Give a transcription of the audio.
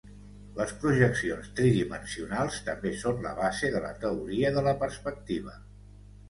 Les projeccions tridimensionals també són la base de la teoria de la perspectiva.